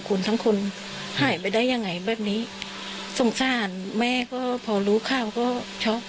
คนทั้งคนหายไปได้ยังไงแบบนี้สงสารแม่ก็พอรู้ข่าวก็ช็อก